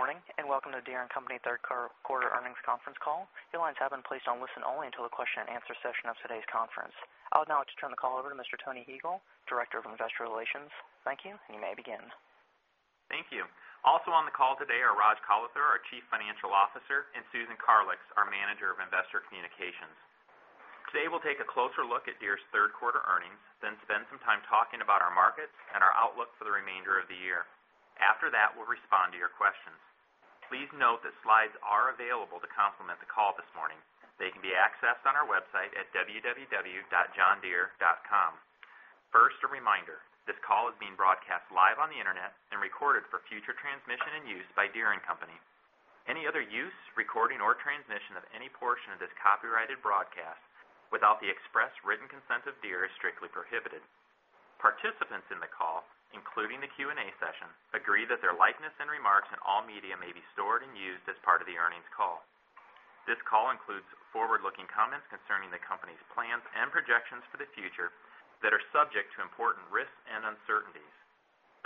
Good morning, welcome to Deere & Company third quarter earnings conference call. Your lines have been placed on listen-only until the question-and-answer session of today's conference. I would now like to turn the call over to Mr. Tony Huegel, Director of Investor Relations. Thank you. You may begin. Thank you. Also on the call today are Rajesh Kalathur, our Chief Financial Officer, and Susan Karlix, our Manager of Investor Communications. Today, we'll take a closer look at Deere's third-quarter earnings, then spend some time talking about our markets and our outlook for the remainder of the year. After that, we'll respond to your questions. Please note that slides are available to complement the call this morning. They can be accessed on our website at www.johndeere.com. First, a reminder, this call is being broadcast live on the internet and recorded for future transmission and use by Deere & Company. Any other use, recording, or transmission of any portion of this copyrighted broadcast without the express written consent of Deere is strictly prohibited. Participants in the call, including the Q&A session, agree that their likeness and remarks in all media may be stored and used as part of the earnings call. This call includes forward-looking comments concerning the company's plans and projections for the future that are subject to important risks and uncertainties.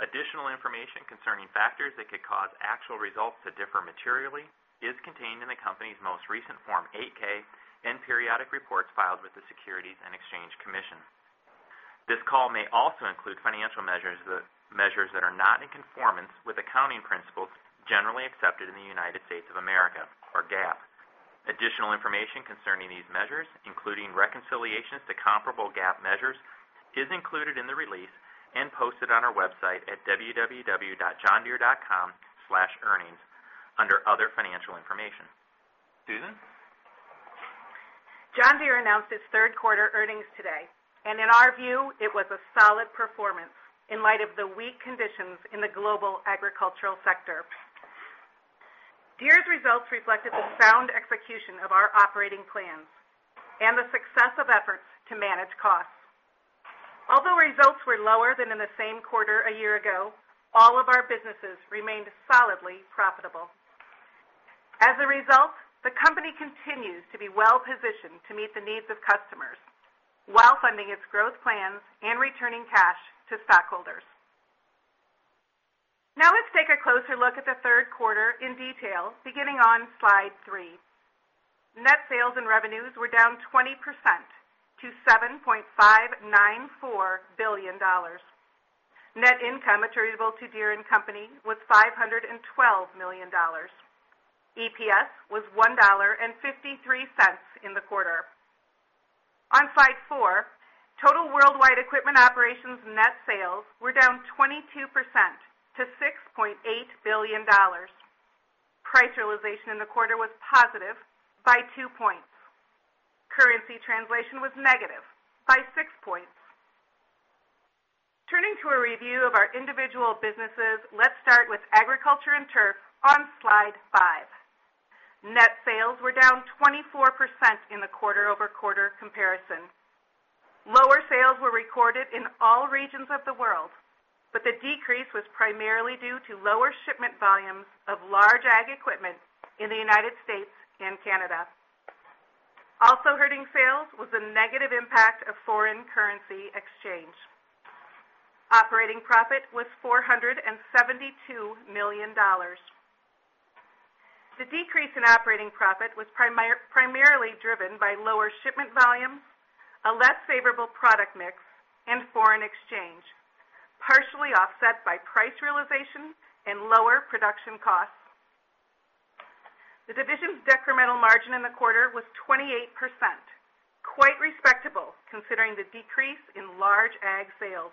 Additional information concerning factors that could cause actual results to differ materially is contained in the company's most recent Form 8-K and periodic reports filed with the Securities and Exchange Commission. This call may also include financial measures that are not in conformance with accounting principles generally accepted in the United States of America, or GAAP. Additional information concerning these measures, including reconciliations to comparable GAAP measures, is included in the release and posted on our website at www.johndeere.com/earnings under Other Financial Information. Susan? John Deere announced its third-quarter earnings today, and in our view, it was a solid performance in light of the weak conditions in the global agricultural sector. Deere's results reflected the sound execution of our operating plans and the success of efforts to manage costs. Although results were lower than in the same quarter a year ago, all of our businesses remained solidly profitable. As a result, the company continues to be well-positioned to meet the needs of customers while funding its growth plans and returning cash to stockholders. Now let's take a closer look at the third quarter in detail, beginning on slide three. Net sales and revenues were down 20% to $7.594 billion. Net income attributable to Deere & Company was $512 million. EPS was $1.53 in the quarter. On slide four, total worldwide equipment operations net sales were down 22% to $6.8 billion. Price realization in the quarter was positive by two points. Currency translation was negative by six points. Turning to a review of our individual businesses, let's start with agriculture and turf on slide five. Net sales were down 24% in the quarter-over-quarter comparison. Lower sales were recorded in all regions of the world, but the decrease was primarily due to lower shipment volumes of large ag equipment in the U.S. and Canada. Also hurting sales was the negative impact of foreign currency exchange. Operating profit was $472 million. The decrease in operating profit was primarily driven by lower shipment volumes, a less favorable product mix, and foreign exchange, partially offset by price realization and lower production costs. The division's decremental margin in the quarter was 28%, quite respectable considering the decrease in large ag sales.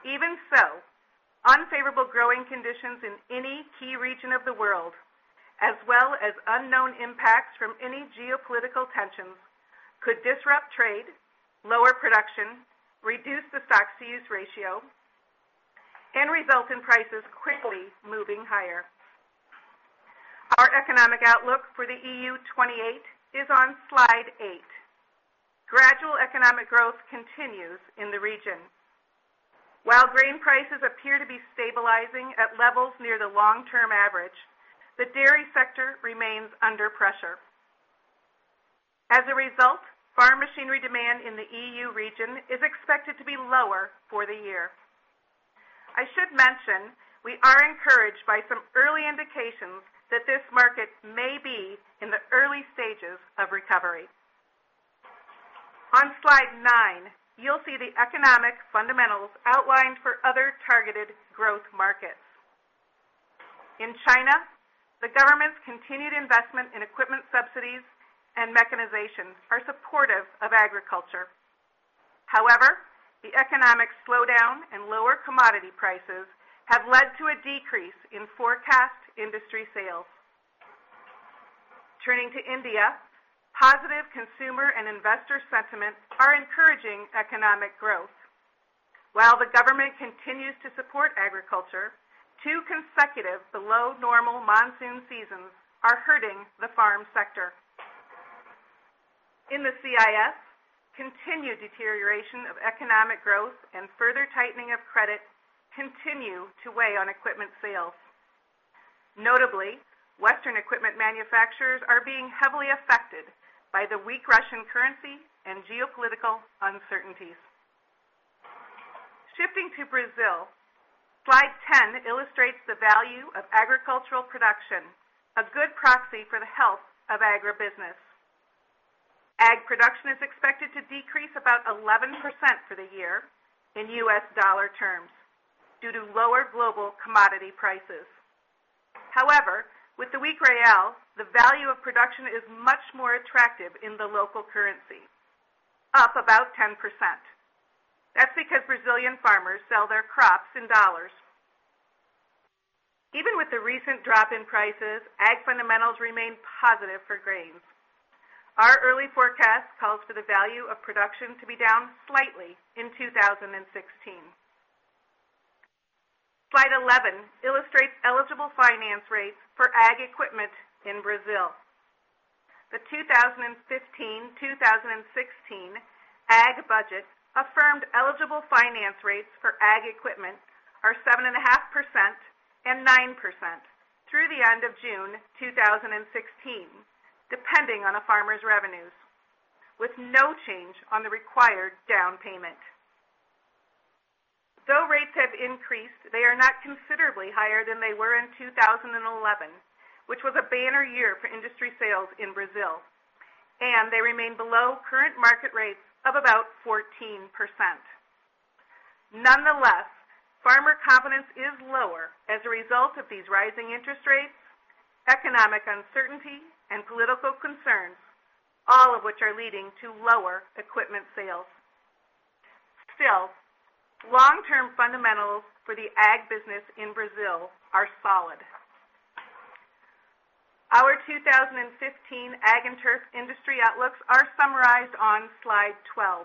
Even so, unfavorable growing conditions in any key region of the world, as well as unknown impacts from any geopolitical tensions, could disrupt trade, lower production, reduce the stocks-to-use ratio, and result in prices quickly moving higher. Our economic outlook for the EU 28 is on slide eight. Economic growth continues in the region. While grain prices appear to be stabilizing at levels near the long-term average, the dairy sector remains under pressure. As a result, farm machinery demand in the EU region is expected to be lower for the year. I should mention, we are encouraged by some early indications that this market may be in the early stages of recovery. On slide nine, you'll see the economic fundamentals outlined for other targeted growth markets. In China, two consecutive below-normal monsoon seasons are hurting the farm sector. In the CIS, continued deterioration of economic growth and further tightening of credit continue to weigh on equipment sales. Notably, Western equipment manufacturers are being heavily affected by the weak Russian currency and geopolitical uncertainties. Shifting to Brazil, slide 10 illustrates the value of agricultural production, a good proxy for the health of agribusiness. Ag production is expected to decrease about 11% for the year in U.S. dollar terms due to lower global commodity prices. However, with the weak real, the value of production is much more attractive in the local currency, up about 10%. That's because Brazilian farmers sell their crops in dollars. Even with the recent drop in prices, ag fundamentals remain positive for grains. Our early forecast calls for the value of production to be down slightly in 2016. Slide 11 illustrates eligible finance rates for ag equipment in Brazil. The 2015/2016 ag budget affirmed eligible finance rates for ag equipment are 7.5% and 9% through the end of June 2016, depending on a farmer's revenues, with no change on the required down payment. Though rates have increased, they are not considerably higher than they were in 2011, which was a banner year for industry sales in Brazil, and they remain below current market rates of about 14%. Nonetheless, farmer confidence is lower as a result of these rising interest rates, economic uncertainty, and political concerns, all of which are leading to lower equipment sales. Still, long-term fundamentals for the ag business in Brazil are solid. Our 2015 Ag and Turf industry outlooks are summarized on slide 12.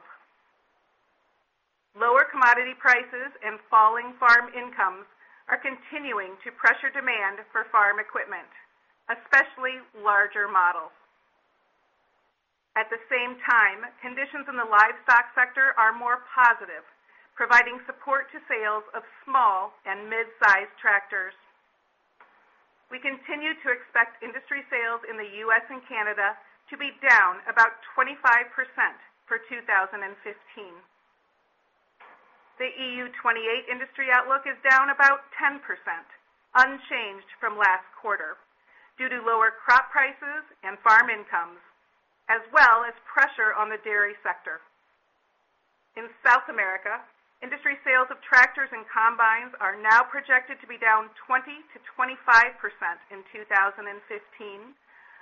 Lower commodity prices and falling farm incomes are continuing to pressure demand for farm equipment, especially larger models. At the same time, conditions in the livestock sector are more positive, providing support to sales of small and mid-size tractors. We continue to expect industry sales in the U.S. and Canada to be down about 25% for 2015. The EU 28 industry outlook is down about 10%, unchanged from last quarter, due to lower crop prices and farm incomes, as well as pressure on the dairy sector. In South America, industry sales of tractors and combines are now projected to be down 20%-25% in 2015,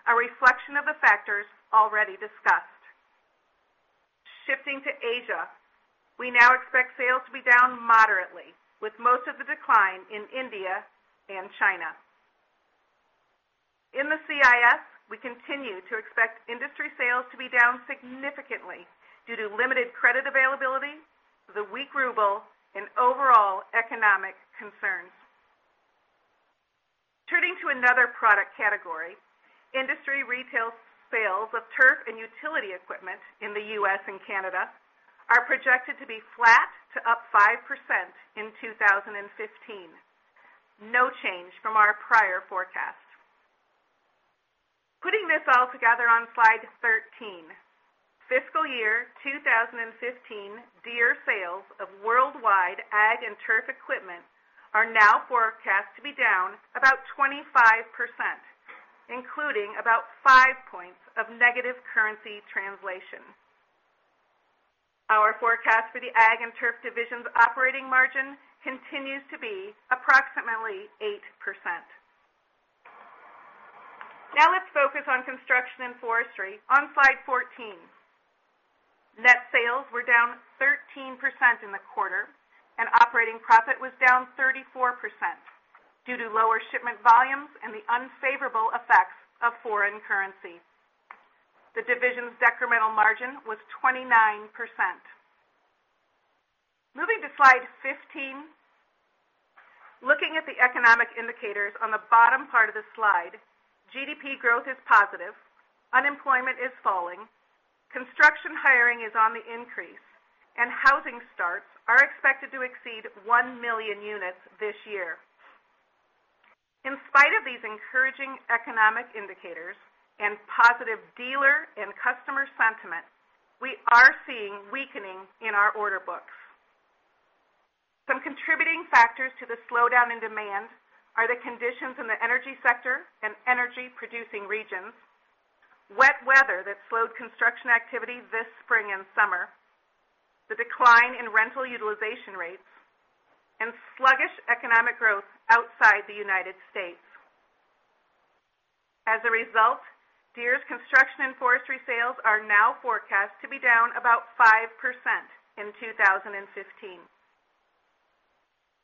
a reflection of the factors already discussed. Shifting to Asia, we now expect sales to be down moderately, with most of the decline in India and China. In the CIS, we continue to expect industry sales to be down significantly due to limited credit availability, the weak ruble, and overall economic concerns. Turning to another product category, industry retail sales of turf and utility equipment in the U.S. and Canada are projected to be flat to up 5% in 2015, no change from our prior forecast. Putting this all together on slide 13, fiscal year 2015 Deere sales of worldwide Ag and Turf equipment are now forecast to be down about 25%, including about five points of negative currency translation. Our forecast for the Ag and Turf division's operating margin continues to be approximately 8%. Now let's focus on Construction and Forestry on slide 14. Net sales were down 13% in the quarter, and operating profit was down 34% due to lower shipment volumes and the unfavorable effects of foreign currency. The division's decremental margin was 29%. To slide 15. Looking at the economic indicators on the bottom part of the slide, GDP growth is positive, unemployment is falling, construction hiring is on the increase, and housing starts are expected to exceed 1 million units this year. In spite of these encouraging economic indicators and positive dealer and customer sentiment, we are seeing weakening in our order books. Some contributing factors to the slowdown in demand are the conditions in the energy sector and energy-producing regions, wet weather that slowed construction activity this spring and summer, the decline in rental utilization rates, and sluggish economic growth outside the United States. As a result, Deere's Construction and Forestry sales are now forecast to be down about 5% in 2015.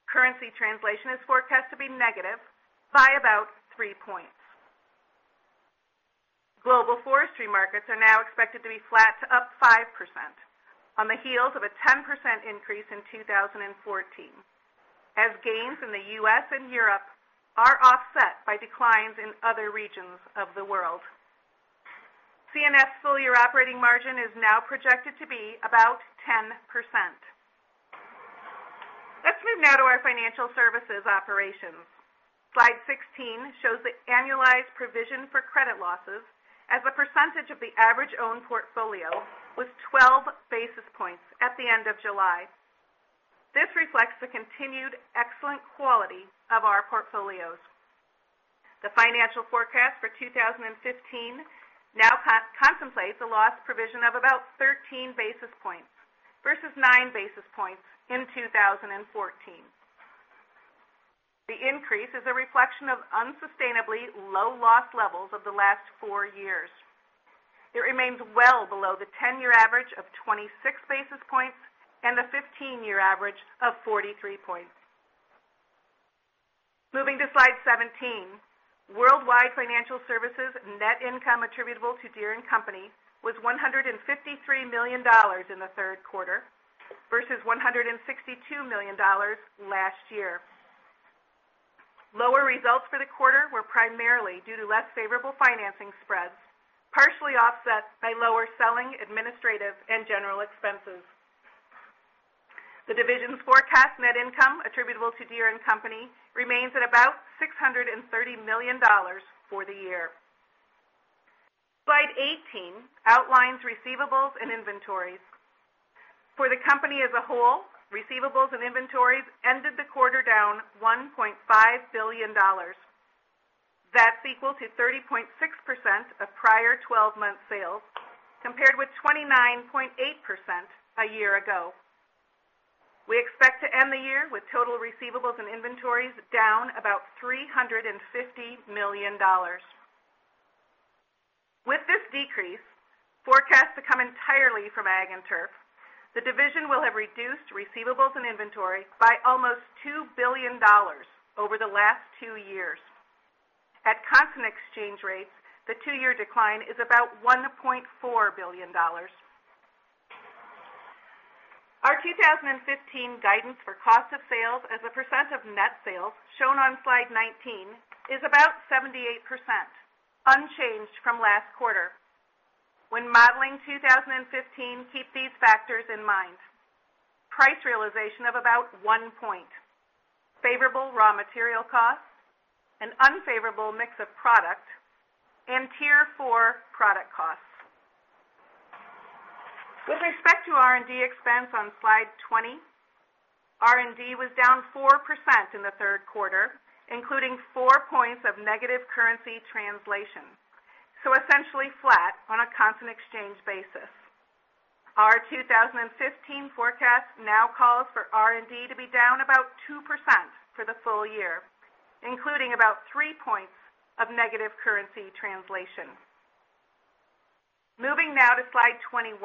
Currency translation is forecast to be negative by about three points. Global forestry markets are now expected to be flat to up 5% on the heels of a 10% increase in 2014, as gains in the U.S. and Europe are offset by declines in other regions of the world. C&F full-year operating margin is now projected to be about 10%. Let's move now to our financial services operations. Slide 16 shows the annualized provision for credit losses as a percentage of the average own portfolio, with 12 basis points at the end of July. This reflects the continued excellent quality of our portfolios. The financial forecast for 2015 now contemplates a loss provision of about 13 basis points versus nine basis points in 2014. The increase is a reflection of unsustainably low loss levels of the last four years. It remains well below the 10-year average of 26 basis points and the 15-year average of 43 points. Moving to slide 17. Worldwide financial services net income attributable to Deere & Company was $153 million in the third quarter versus $162 million last year. Lower results for the quarter were primarily due to less favorable financing spreads, partially offset by lower selling, administrative, and general expenses. The division's forecast net income attributable to Deere & Company remains at about $630 million for the year. Slide 18 outlines receivables and inventories. For the company as a whole, receivables and inventories ended the quarter down $1.5 billion. That's equal to 30.6% of prior 12-month sales, compared with 29.8% a year ago. We expect to end the year with total receivables and inventories down about $350 million. With this decrease, forecast to come entirely from Ag and Turf, the division will have reduced receivables and inventory by almost $2 billion over the last two years. At constant exchange rates, the two-year decline is about $1.4 billion. Our 2015 guidance for cost of sales as a % of net sales, shown on Slide 19, is about 78%, unchanged from last quarter. When modeling 2015, keep these factors in mind: price realization of about one point, favorable raw material costs, an unfavorable mix of product, and Tier 4 product costs. With respect to R&D expense on Slide 20, R&D was down 4% in the third quarter, including four points of negative currency translation, so essentially flat on a constant exchange basis. Our 2015 forecast now calls for R&D to be down about 2% for the full year, including about three points of negative currency translation. Moving now to Slide 21.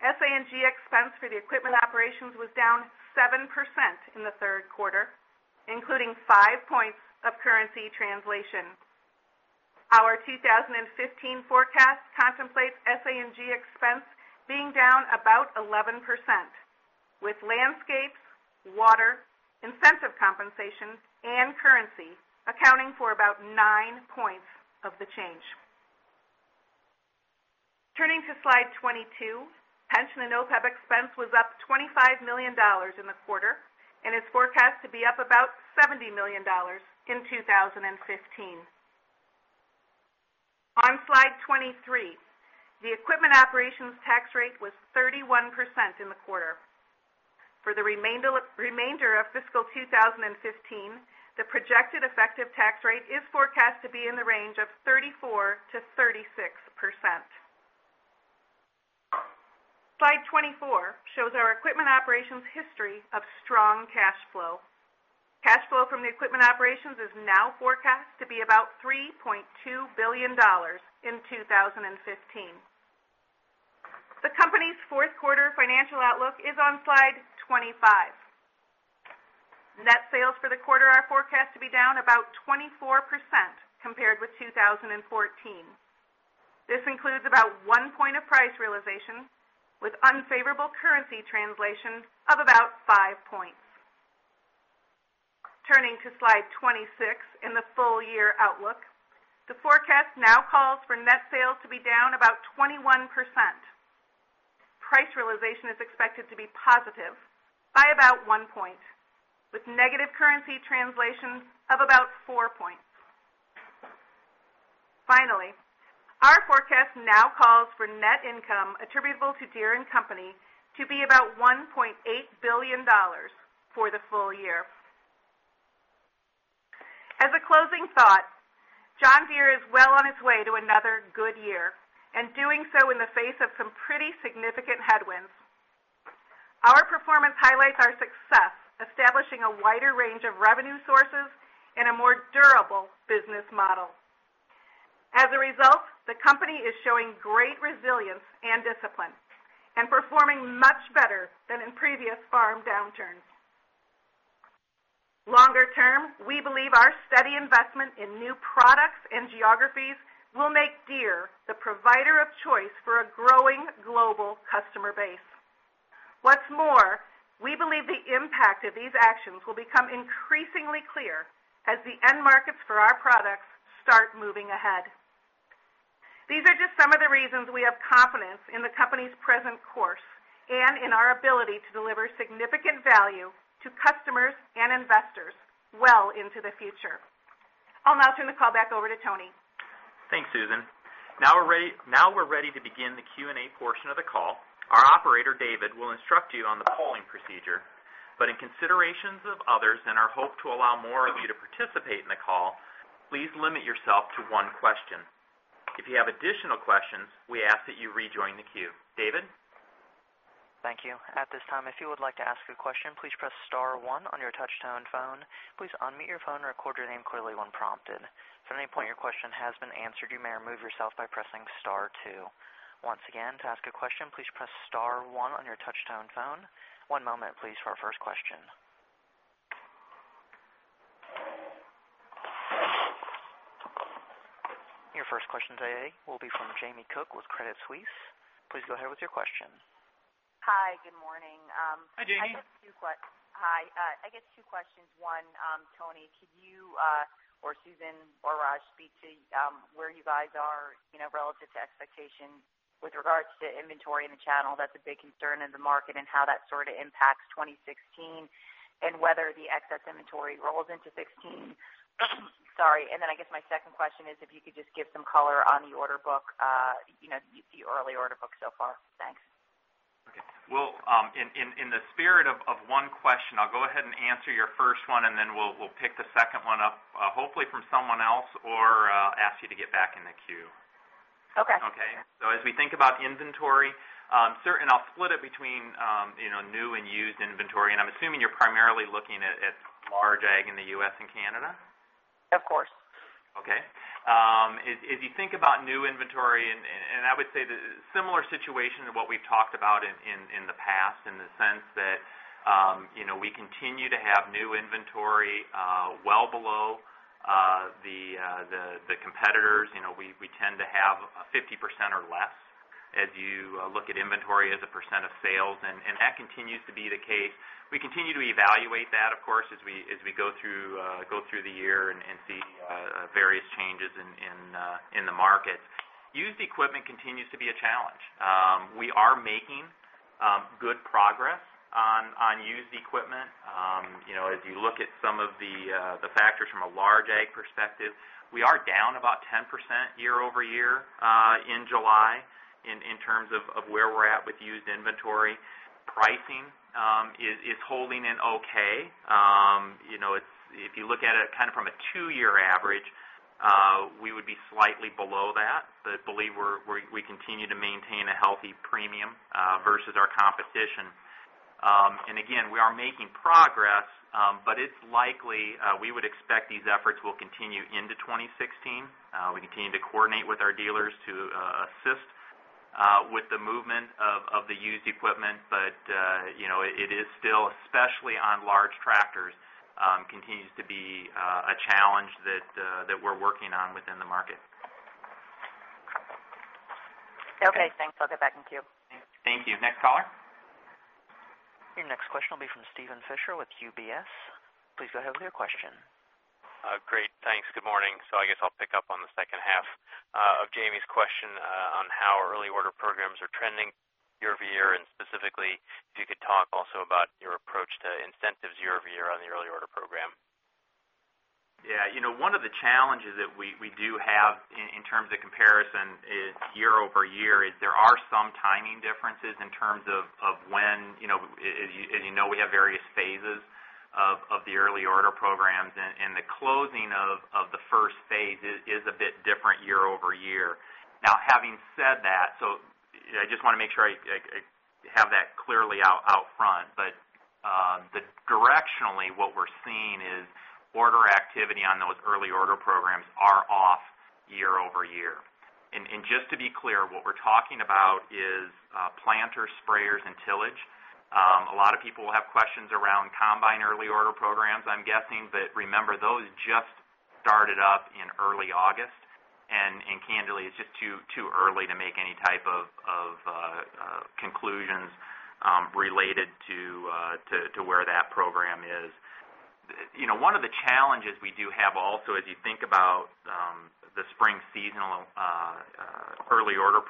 SA&G expense for the equipment operations was down 7% in the third quarter, including five points of currency translation. Our 2015 forecast contemplates SA&G expense being down about 11%, with John Deere Landscapes, water, incentive compensation, and currency accounting for about nine points of the change. Turning to Slide 22, pension and OPEB expense was up $25 million in the quarter and is forecast to be up about $70 million in 2015. On Slide 23, the equipment operations tax rate was 31% in the quarter. For the remainder of fiscal 2015, the projected effective tax rate is forecast to be in the range of 34%-36%. Slide 24 shows our equipment operations history of strong cash flow. Cash flow from the equipment operations is now forecast to be about $3.2 billion in 2015. The company's fourth quarter financial outlook is on Slide 25. Net sales for the quarter are forecast to be down about 24% compared with 2014. This includes about one point of price realization, with unfavorable currency translation of about five points. Turning to slide 26 in the full year outlook, the forecast now calls for net sales to be down about 21%. Price realization is expected to be positive by about one point, with negative currency translations of about four points. Finally, our forecast now calls for net income attributable to Deere & Company to be about $1.8 billion for the full year. As a closing thought, John Deere is well on its way to another good year, and doing so in the face of some pretty significant headwinds. Our performance highlights our success establishing a wider range of revenue sources and a more durable business model. As a result, the company is showing great resilience and discipline and performing much better than in previous farm downturns. Longer term, we believe our steady investment in new products and geographies will make Deere the provider of choice for a growing global customer base. What's more, we believe the impact of these actions will become increasingly clear as the end markets for our products start moving ahead. These are just some of the reasons we have confidence in the company's present course and in our ability to deliver significant value to customers and investors well into the future. I'll now turn the call back over to Tony. Thanks, Susan. Now we're ready to begin the Q&A portion of the call. Our operator, David, will instruct you on the calling procedure. In considerations of others and our hope to allow more of you to participate in the call, please limit yourself to one question. If you have additional questions, we ask that you rejoin the queue. David? Thank you. At this time, if you would like to ask a question, please press star one on your touch-tone phone. Please unmute your phone and record your name clearly when prompted. If at any point your question has been answered, you may remove yourself by pressing star two. Once again, to ask a question, please press star one on your touch-tone phone. One moment, please, for our first question. Your first question today will be from Jamie Cook with Credit Suisse. Please go ahead with your question. Hi. Good morning. Hi, Jamie. Hi. I guess two questions. One, Tony, could you, or Susan or Raj, speak to where you guys are relative to expectations with regards to inventory in the channel? That's a big concern in the market, and how that sort of impacts 2016, and whether the excess inventory rolls into 2016. Sorry. I guess my second question is if you could just give some color on the early order book so far. Thanks. Okay. Well, in the spirit of one question, I'll go ahead and answer your first one, and then we'll pick the second one up, hopefully from someone else, or ask you to get back in the queue. Okay. As we think about inventory, I'll split it between new and used inventory. I'm assuming you're primarily looking at large ag in the U.S. and Canada? Of course. Okay. If you think about new inventory, I would say the similar situation to what we've talked about in the past, in the sense that we continue to have new inventory well below the competitors. We tend to have 50% or less as you look at inventory as a percent of sales, that continues to be the case. We continue to evaluate that, of course, as we go through the year and see various changes in the market. Used equipment continues to be a challenge. We are making good progress on used equipment. As you look at some of the factors from a large ag perspective, we are down about 10% year-over-year in July in terms of where we are at with used inventory. Pricing is holding in okay. If you look at it from a two-year average, we would be slightly below that. Believe we continue to maintain a healthy premium versus our competition. Again, we are making progress, it's likely we would expect these efforts will continue into 2016. We continue to coordinate with our dealers to assist with the movement of the used equipment. It is still, especially on large tractors, continues to be a challenge that we are working on within the market. Okay. Thanks. I'll get back in queue. Thank you. Next caller. Your next question will be from Steven Fisher with UBS. Please go ahead with your question. Great. Thanks. Good morning. I guess I'll pick up on the second half of Jamie's question on how early order programs are trending year-over-year, and specifically if you could talk also about your approach to incentives year-over-year on the early order program. Yeah. One of the challenges that we do have in terms of comparison is year-over-year, there are some timing differences in terms of when. As you know, we have various phases of the early order programs. The closing of the first phase is a bit different year-over-year. Having said that, I just want to make sure I have that clearly out front. Directionally, what we're seeing is order activity on those early order programs are off year-over-year. Just to be clear, what we're talking about is planters, sprayers, and tillage. A lot of people will have questions around combine early order programs, I'm guessing. Remember, those just started up in early August, and candidly, it's just too early to make any type of conclusions related to where that program is. One of the challenges we do have also, as you think about the spring seasonal early order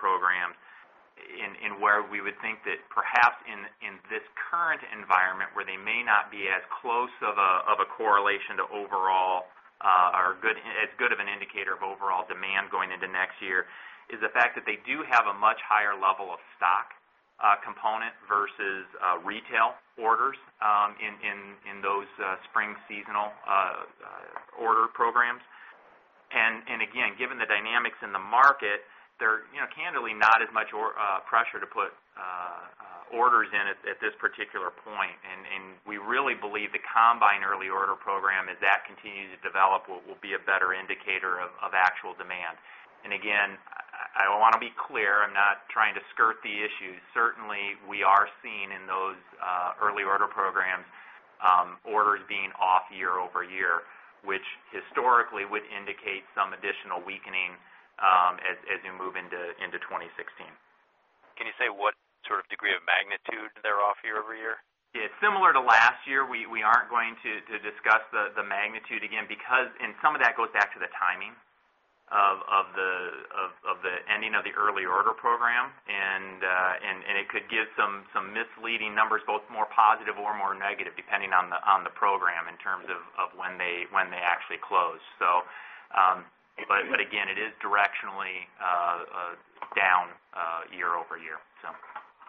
programs, where we would think that perhaps in this current environment, where they may not be as close of a correlation to overall or as good of an indicator of overall demand going into next year, is the fact that they do have a much higher level of stock component versus retail orders in those spring seasonal order programs. Again, given the dynamics in the market, there's candidly not as much pressure to put orders in at this particular point. We really believe the combine early order program, as that continues to develop, will be a better indicator of actual demand. Again, I want to be clear, I'm not trying to skirt the issue. Certainly, we are seeing in those early order programs, orders being off year-over-year, which historically would indicate some additional weakening as we move into 2016. Can you say what sort of degree of magnitude they're off year-over-year? Yeah. Similar to last year, we aren't going to discuss the magnitude again because some of that goes back to the timing of the ending of the early order program, and it could give some misleading numbers, both more positive or more negative, depending on the program in terms of when they actually close. Again, it is directionally down year-over-year.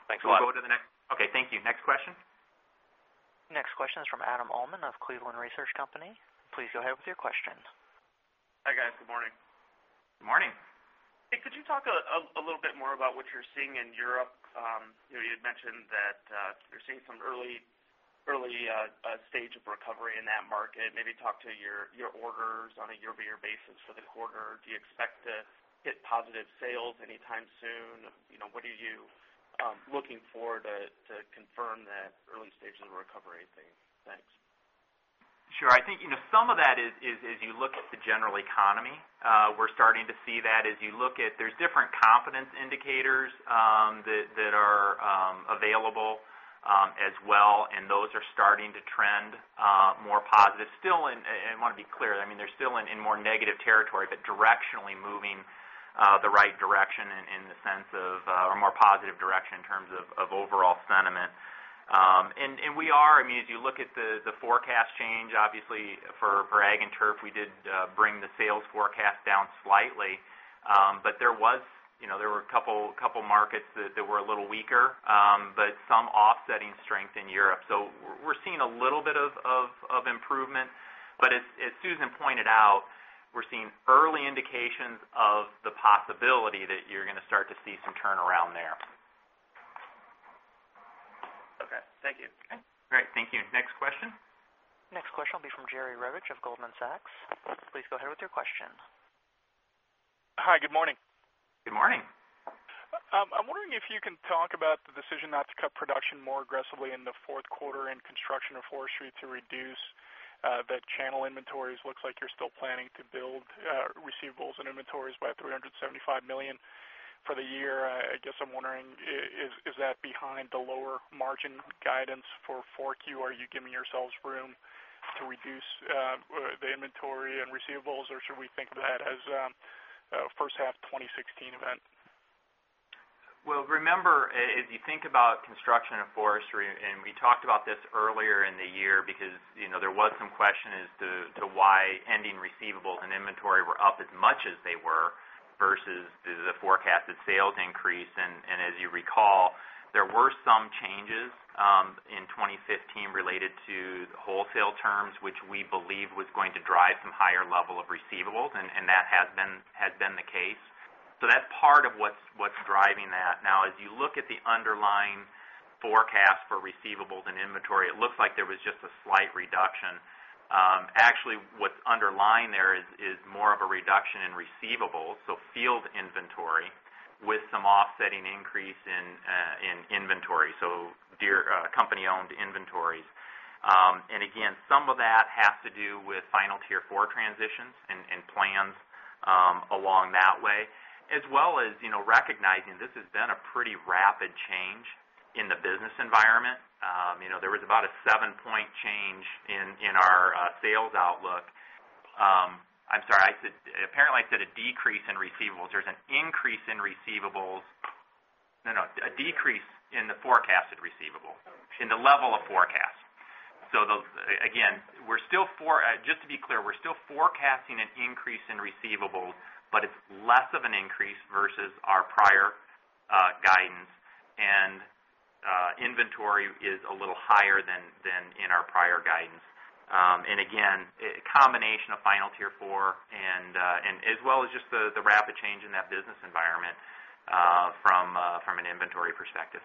Thanks a lot. Okay. Thank you. Next question. Next question is from Adam Uhlman of Cleveland Research Company. Please go ahead with your question. Hi, guys. Good morning. Good morning. Could you talk a little bit more about what you're seeing in Europe? You had mentioned that you're seeing some early stage of recovery in that market. Maybe talk to your orders on a year-over-year basis for the quarter. Do you expect to hit positive sales anytime soon? What are you looking for to confirm that early stages of recovery theme? Thanks. Sure. I think some of that is as you look at the general economy. We're starting to see that as you look at, there's different confidence indicators that are available as well. Those are starting to trend more positive. I want to be clear, they're still in more negative territory. Directionally moving the right direction in the sense of a more positive direction in terms of overall sentiment. We are, as you look at the forecast change, obviously for Ag and Turf, we did bring the sales forecast down slightly. There were a couple of markets that were a little weaker. Some offsetting strength in Europe. We're seeing a little bit of improvement. As Susan pointed out, we're seeing early indications of the possibility that you're going to start to see some turnaround there. Okay. Thank you. Great. Thank you. Next question. Next question will be from Jerry Revich of Goldman Sachs. Please go ahead with your question. Hi, good morning. Good morning. I'm wondering if you can talk about the decision not to cut production more aggressively in the fourth quarter in Construction & Forestry to reduce the channel inventories. Looks like you're still planning to build receivables and inventories by $375 million for the year. I guess I'm wondering, is that behind the lower margin guidance for 4Q? Are you giving yourselves room to reduce the inventory and receivables, or should we think of that as a first half 2016 event? Remember, if you think about Construction & Forestry, and we talked about this earlier in the year because there was some question as to why ending receivables and inventory were up as much as they were versus the forecasted sales increase. As you recall, there were some changes in 2015 related to the wholesale terms, which we believe was going to drive some higher level of receivables, and that has been the case. That's part of what's driving that. As you look at the underlying forecast for receivables and inventory, it looks like there was just a slight reduction. Actually, what's underlying there is more of a reduction in receivables, so field inventory, with some offsetting increase in inventory, so Deere & Company-owned inventories. Again, some of that has to do with Final Tier 4 transitions and plans along that way, as well as recognizing this has been a pretty rapid change in the business environment. There was about a seven-point change in our sales outlook. I'm sorry. Apparently, I said a decrease in receivables. There's an increase in receivables. No, a decrease in the forecasted receivables in the level of forecast. Again, just to be clear, we're still forecasting an increase in receivables, but it's less of an increase versus our prior guidance. Inventory is a little higher than in our prior guidance. Again, a combination of Final Tier 4 and as well as just the rapid change in that business environment from an inventory perspective.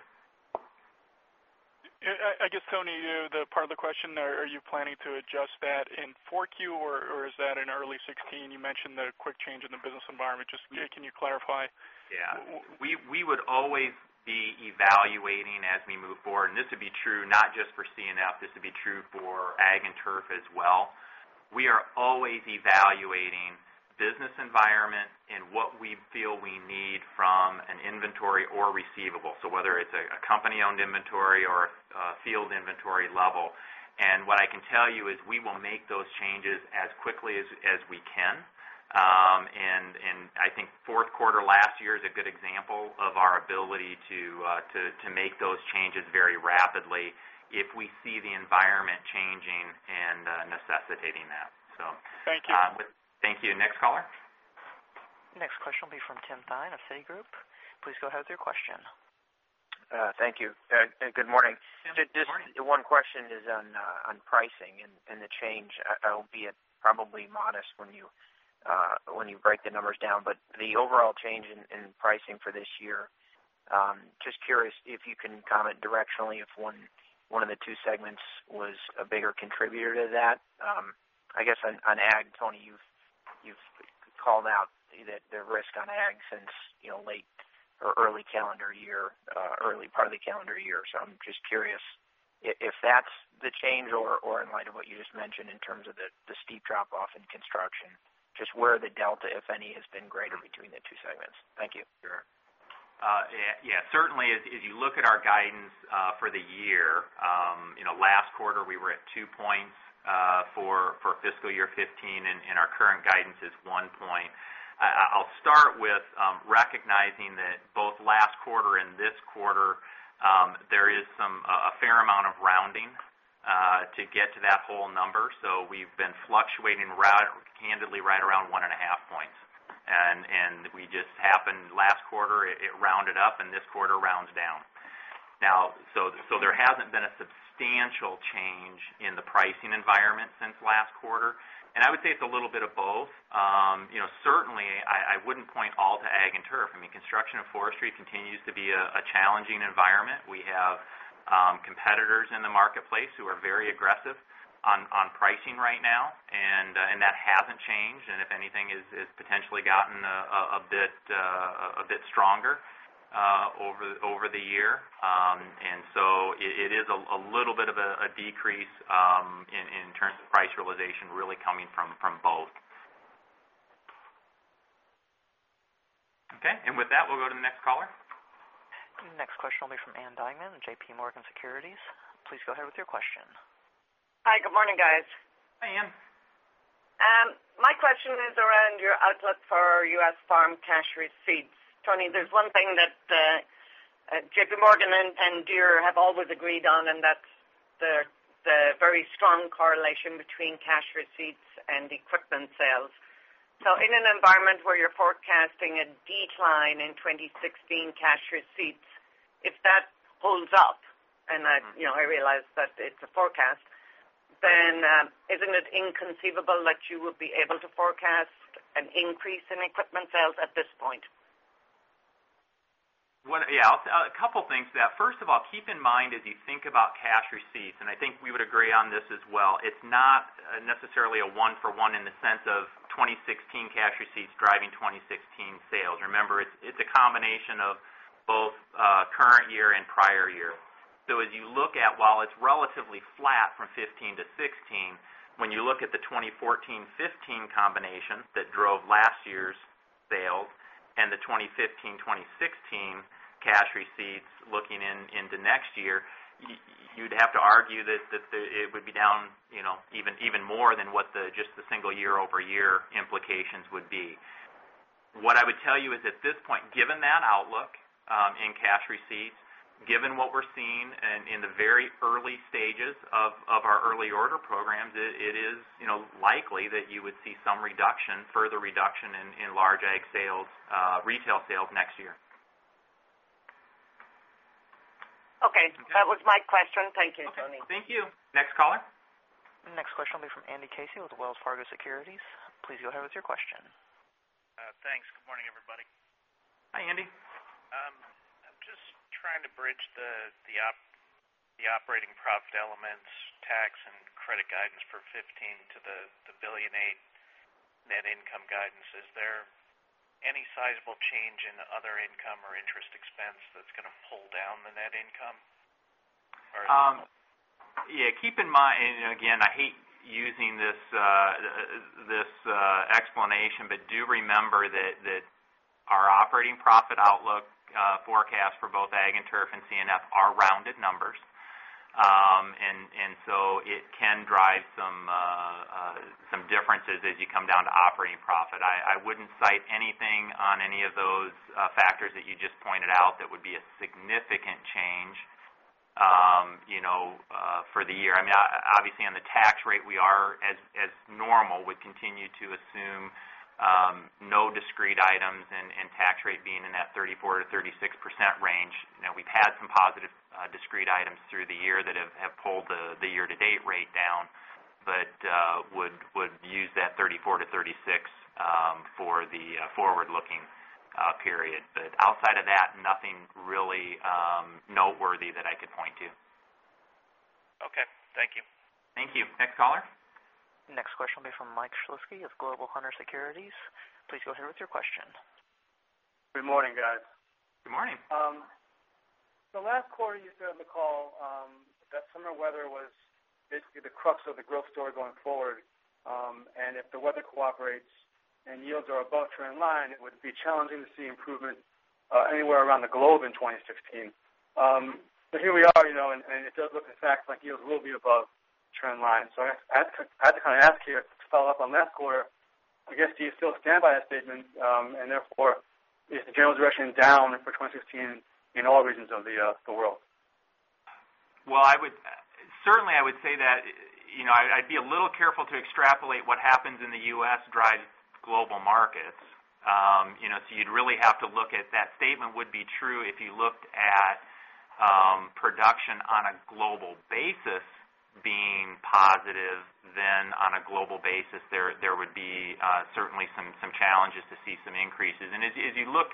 I guess, Tony, the part of the question, are you planning to adjust that in 4Q, or is that in early 2016? You mentioned the quick change in the business environment. Just, can you clarify? Yeah. We would always be evaluating as we move forward, this would be true not just for C&F. This would be true for Ag and Turf as well. We are always evaluating business environment and what we feel we need from an inventory or receivable. Whether it's a company-owned inventory or a field inventory level. What I can tell you is we will make those changes as quickly as we can. I think fourth quarter last year is a good example of our ability to make those changes very rapidly if we see the environment changing and necessitating that. Thank you. Thank you. Next caller. Next question will be from Timothy Thein of Citigroup. Please go ahead with your question. Thank you. Good morning. Good morning. Just one question is on pricing and the change, albeit probably modest when you break the numbers down. The overall change in pricing for this year, just curious if you can comment directionally if one of the two segments was a bigger contributor to that. I guess on Ag, Tony, you've called out the risk on Ag since early part of the calendar year. I'm just curious if that's the change or in light of what you just mentioned in terms of the steep drop-off in construction, just where the delta, if any, has been greater between the two segments. Thank you. Sure. Yeah. Certainly, as you look at our guidance for the year, last quarter, we were at 2 points for fiscal year 2015, and our current guidance is one point. I'll start with recognizing that both last quarter and this quarter, there is a fair amount of rounding to get to that whole number. We've been fluctuating candidly right around one and a half points. We just happened last quarter, it rounded up, and this quarter rounds down. There hasn't been a substantial change in the pricing environment since last quarter, and I would say it's a little bit of both. Certainly, I wouldn't point all to Ag and Turf. Construction & Forestry continues to be a challenging environment. We have competitors in the marketplace who are very aggressive on pricing right now, and that hasn't changed. If anything, has potentially gotten a bit stronger over the year. It is a little bit of a decrease in terms of price realization really coming from both. Okay. With that, we'll go to the next caller. Next question will be from Ann Duignan of JPMorgan Securities. Please go ahead with your question. Hi, good morning, guys. Hi, Ann. My question is around your outlook for U.S. farm cash receipts. Tony, there's one thing that JPMorgan and Deere have always agreed on, and that's the very strong correlation between cash receipts and equipment sales. In an environment where you're forecasting a decline in 2016 cash receipts, if that holds up, and I realize that it's a forecast, then isn't it inconceivable that you would be able to forecast an increase in equipment sales at this point? Yeah. A couple things to that. First of all, keep in mind as you think about cash receipts, and I think we would agree on this as well, it's not necessarily a one-for-one in the sense of 2016 cash receipts driving 2016 sales. Remember, it's a combination of both current year and prior year. As you look at while it's relatively flat from 2015 to 2016, when you look at the 2014-2015 combination that drove last year's sales and the 2015-2016 cash receipts looking into next year, you'd have to argue that it would be down even more than what just the single year-over-year implications would be. What I would tell you is at this point, given that outlook in cash receipts, given what we're seeing in the very early stages of our early order programs, it is likely that you would see some further reduction in large Ag retail sales next year. Okay. That was my question. Thank you, Tony. Thank you. Next caller. Next question will be from Andrew Casey with Wells Fargo Securities. Please go ahead with your question. Thanks. Good morning, everybody. Hi, Andy. I'm just trying to bridge the operating profit elements, tax and credit guidance for 2015 to the $1.8 billion net income guidance. Is there any sizable change in other income or interest expense that's going to pull down the net income? Yeah. Keep in mind, again, I hate using this explanation, do remember that our operating profit outlook forecast for both Ag and Turf and C&F are rounded numbers. So it can drive some differences as you come down to operating profit. I wouldn't cite anything on any of those factors that you just pointed out that would be a significant change for the year. Obviously, on the tax rate, we are as normal, would continue to assume no discrete items and tax rate being in that 34%-36% range. We've had some positive discrete items through the year that have pulled the year-to-date rate down, would use that 34%-36% for the forward-looking period. Outside of that, nothing really noteworthy that I could point to. Okay. Thank you. Thank you. Next caller. Next question will be from Mike Shlisky of Global Hunter Securities. Please go ahead with your question. Good morning, guys. Good morning. Last quarter you said on the call that summer weather was basically the crux of the growth story going forward, and if the weather cooperates and yields are above trend line, it would be challenging to see improvement anywhere around the globe in 2016. Here we are, and it does look, in fact, like yields will be above trend line. I have to ask here, to follow up on last quarter, I guess, do you still stand by that statement? Therefore, is the general direction down for 2016 in all regions of the world? Well, certainly I would say that I'd be a little careful to extrapolate what happens in the U.S.-driven global markets. You'd really have to look at that statement would be true if you looked at production on a global basis being positive, then on a global basis, there would be certainly some challenges to see some increases. As you look,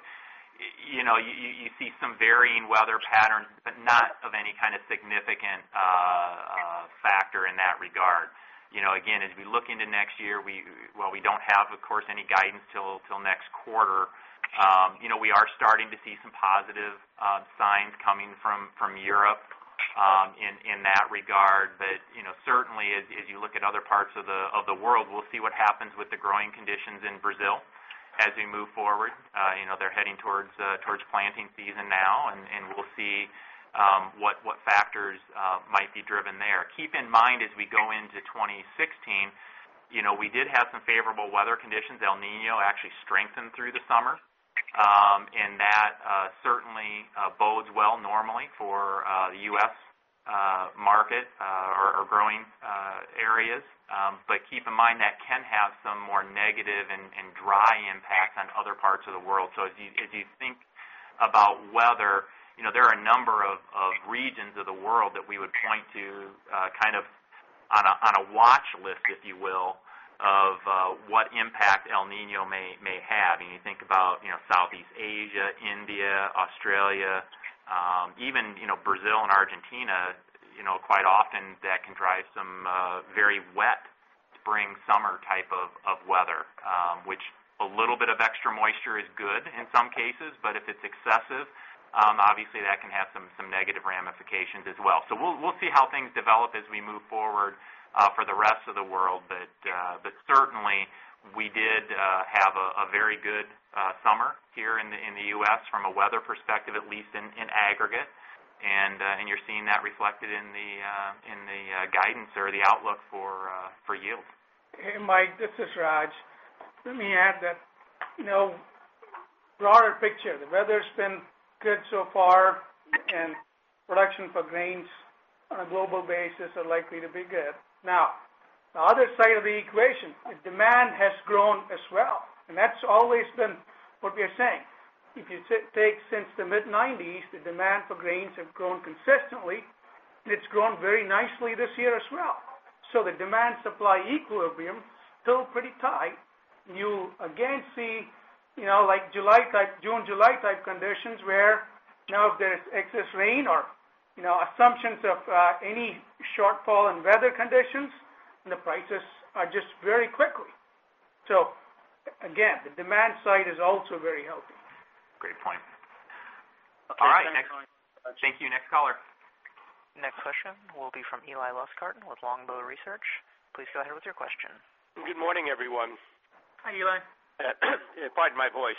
you see some varying weather patterns, but not of any kind of significant factor in that regard. Again, as we look into next year, while we don't have, of course, any guidance till next quarter, we are starting to see some positive signs coming from Europe in that regard. Certainly, as you look at other parts of the world, we'll see what happens with the growing conditions in Brazil as we move forward. They're heading towards planting season now, and we'll see what factors might be driven there. Keep in mind, as we go into 2016, we did have some favorable weather conditions. El Niño actually strengthened through the summer, and that certainly bodes well normally for the U.S. market or growing areas. Keep in mind that can have some more negative and dry impacts on other parts of the world. As you think about weather, there are a number of regions of the world that we would point to on a watch list, if you will, of what impact El Niño may have. You think about Southeast Asia, India, Australia, even Brazil and Argentina, quite often that can drive some very wet spring, summer type of weather. Which a little bit of extra moisture is good in some cases, but if it's excessive, obviously that can have some negative ramifications as well. We'll see how things develop as we move forward for the rest of the world. Certainly we did have a very good summer here in the U.S. from a weather perspective, at least in aggregate. You're seeing that reflected in the guidance or the outlook for yields. Hey, Mike, this is Raj. Let me add that broader picture. The weather's been good so far, and production for grains on a global basis are likely to be good. The other side of the equation, the demand has grown as well, and that's always been what we are saying. If you take since the mid-90s, the demand for grains have grown consistently, and it's grown very nicely this year as well. The demand supply equilibrium, still pretty tight. You again see June, July type conditions where if there's excess rain or assumptions of any shortfall in weather conditions, the prices are just very quickly. Again, the demand side is also very healthy. Great point. All right. Okay. Thanks, Mike. Thank you. Next caller. Next question will be from Eli Lustgarten with Longbow Research. Please go ahead with your question. Good morning, everyone. Hi, Eli. Pardon my voice.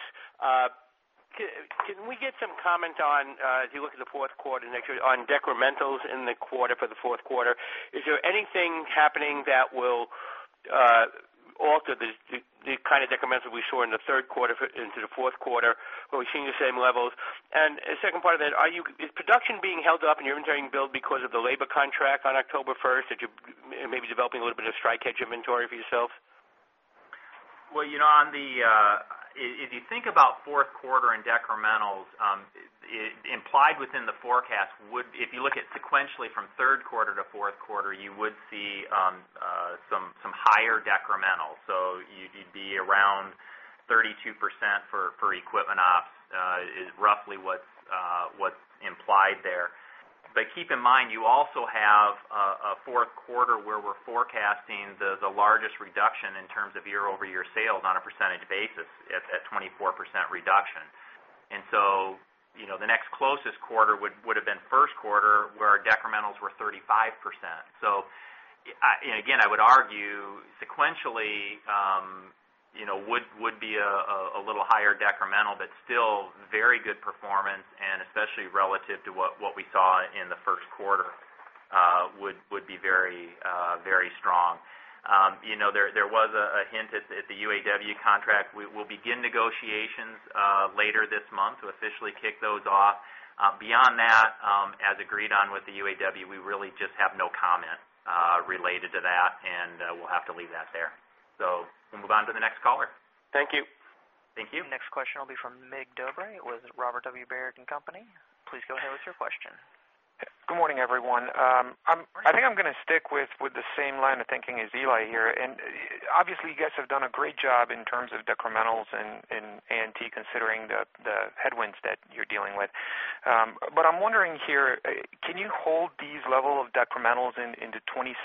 Can we get some comment on, as you look at the fourth quarter next year, on decrementals in the quarter for the fourth quarter? Is there anything happening that will alter the kind of decrementals we saw in the third quarter into the fourth quarter, where we've seen the same levels? Second part of that, is production being held up in your engineering build because of the labor contract on October 1st? Maybe developing a little bit of strike hedge inventory for yourself? If you think about fourth quarter and decrementals, implied within the forecast would, if you look at sequentially from third quarter to fourth quarter, you would see some higher decrementals. You'd be around 32% for equipment ops is roughly what's implied there. Keep in mind, you also have a fourth quarter where we're forecasting the largest reduction in terms of year-over-year sales on a percentage basis at 24% reduction. The next closest quarter would've been first quarter, where our decrementals were 35%. Again, I would argue sequentially would be a little higher decremental, but still very good performance, and especially relative to what we saw in the first quarter would be very strong. There was a hint at the UAW contract. We'll begin negotiations later this month to officially kick those off. Beyond that, as agreed on with the UAW, we really just have no comment related to that, and we'll have to leave that there. We'll move on to the next caller. Thank you. Thank you. Next question will be from Mircea Dobre with Robert W. Baird & Co. Please go ahead with your question. Good morning, everyone. I think I'm going to stick with the same line of thinking as Eli here. Obviously, you guys have done a great job in terms of decrementals and in considering the headwinds that you're dealing with. I'm wondering here, can you hold these level of decrementals into 2016,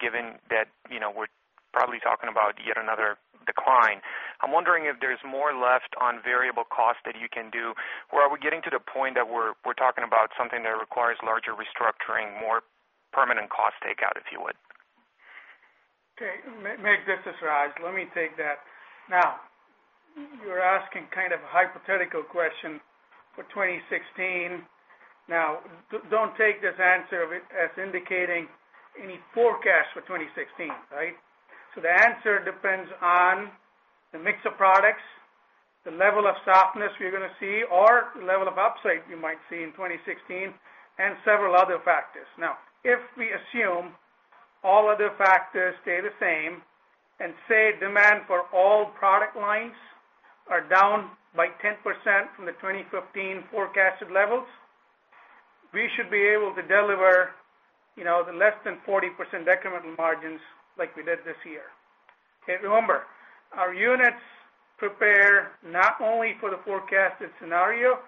given that we're probably talking about yet another decline? I'm wondering if there's more left on variable costs that you can do, or are we getting to the point that we're talking about something that requires larger restructuring, more permanent cost takeout, if you would? Okay. Maybe this is Raj. Let me take that. Now, you're asking kind of a hypothetical question for 2016. Don't take this answer as indicating any forecast for 2016, right? The answer depends on the mix of products, the level of softness we're going to see or the level of upside you might see in 2016, and several other factors. Now, if we assume all other factors stay the same and say demand for all product lines are down by 10% from the 2015 forecasted levels, we should be able to deliver the less than 40% decremental margins like we did this year. Okay. Remember, our units prepare not only for the forecasted scenario,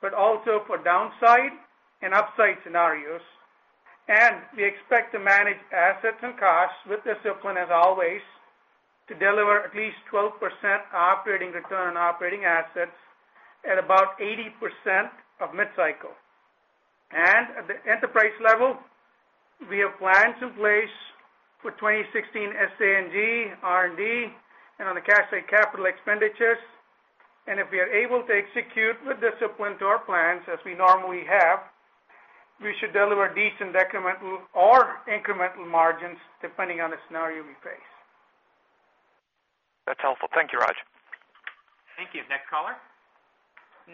but also for downside and upside scenarios. We expect to manage assets and costs with discipline, as always, to deliver at least 12% operating return on operating assets at about 80% of mid-cycle. At the enterprise level, we have plans in place for 2016, SG&A, R&D, and on the cash and capital expenditures. If we are able to execute with discipline to our plans as we normally have, we should deliver decent decremental or incremental margins, depending on the scenario we face. That's helpful. Thank you, Raj. Thank you. Next caller.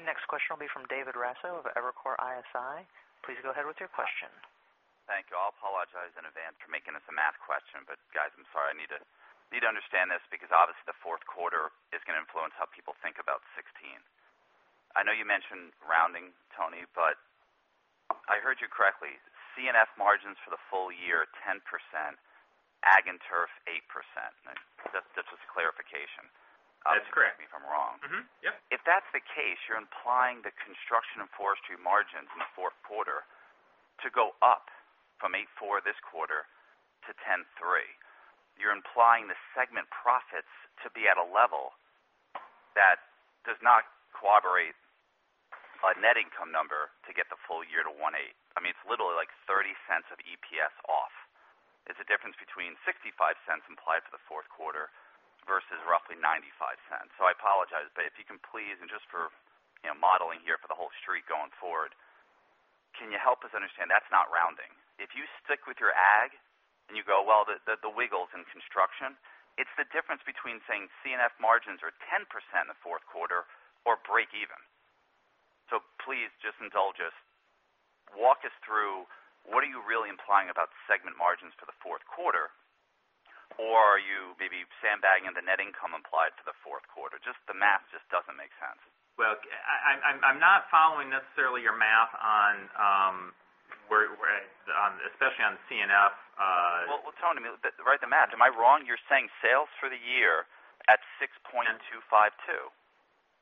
Next question will be from David Raso of Evercore ISI. Please go ahead with your question. Thank you. I'll apologize in advance for making this a math question. Guys, I'm sorry, I need to understand this because obviously the fourth quarter is going to influence how people think about 2016. I know you mentioned rounding, Tony, but I heard you correctly, C&F margins for the full year are 10%, ag and turf 8%. Just as clarification. That's correct. Correct me if I'm wrong. Mm-hmm. Yeah. If that's the case, you're implying the Construction & Forestry margins in the fourth quarter to go up from 8.4% this quarter to 10.3%. You're implying the segment profits to be at a level that does not corroborate a net income number to get the full year to $1.80. It's literally like $0.30 of EPS off. It's a difference between $0.65 implied for the fourth quarter versus roughly $0.95. I apologize, but if you can please, and just for modeling here for the whole Street going forward, can you help us understand that's not rounding? If you stick with your ag and you go, well, the wiggle's in construction, it's the difference between saying C&F margins are 10% in the fourth quarter or break even. Please just indulge us. Walk us through what are you really implying about segment margins for the fourth quarter, or are you maybe sandbagging the net income implied for the fourth quarter? Just the math just doesn't make sense. Well, I'm not following necessarily your math on especially on C&F. Well, Tony, write the math. Am I wrong? You're saying sales for the year at $6.252 billion,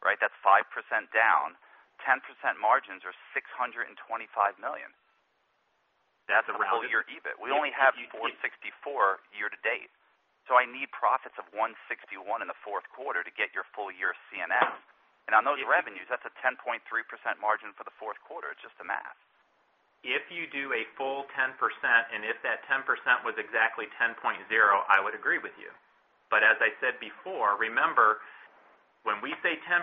right? That's 5% down, 10% margins are $625 million. That's around it. The full year EBIT. We only have $464 year to date. I need profits of $161 in the fourth quarter to get your full year C&F. On those revenues, that's a 10.3% margin for the fourth quarter. It's just the math. If you do a full 10%, if that 10% was exactly 10.0, I would agree with you. As I said before, remember, when we say 10%,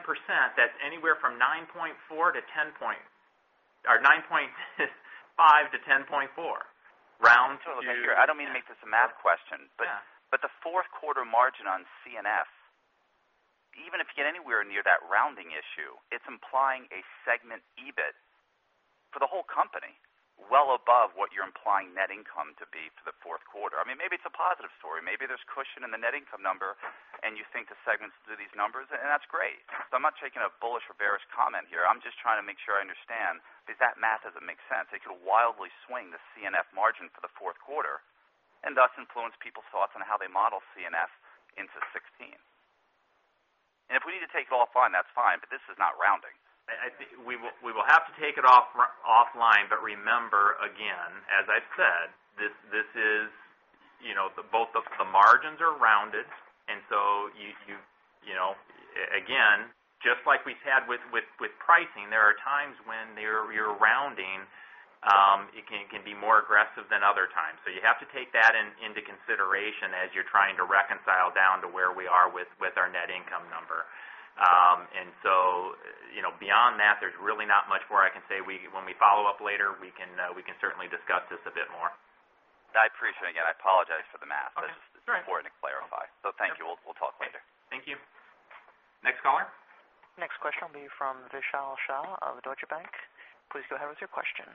that's anywhere from 9.4 to or 9.5 to 10.4. I don't mean to make this a math question. Yeah. The fourth quarter margin on C&F, even if you get anywhere near that rounding issue, it's implying a segment EBIT for the whole company well above what you're implying net income to be for the fourth quarter. Maybe it's a positive story. Maybe there's cushion in the net income number and you think the segments do these numbers, that's great. I'm not taking a bullish or bearish comment here. I'm just trying to make sure I understand because that math doesn't make sense. It could wildly swing the C&F margin for the fourth quarter and thus influence people's thoughts on how they model C&F into 2016. If we need to take it offline, that's fine, this is not rounding. I think we will have to take it offline. Remember, again, as I said, both of the margins are rounded. Again, just like we've had with pricing, there are times when you're rounding, it can be more aggressive than other times. You have to take that into consideration as you're trying to reconcile down to where we are with our net income number. Beyond that, there's really not much more I can say. When we follow up later, we can certainly discuss this a bit more. I appreciate it. Again, I apologize for the math. Okay. All right. It's just important to clarify. Thank you. We'll talk later. Thank you. Next caller. Next question will be from Vishal Shah of Deutsche Bank. Please go ahead with your question.